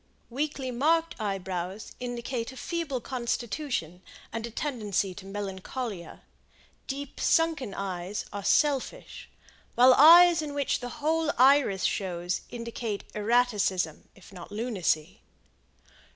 Weakly marked eyebrows indicate a feeble constitution and a tendency to melancholia, Deep sunken eyes are selfish, while eyes in which the whole iris shows indicate erraticism, if not lunacy.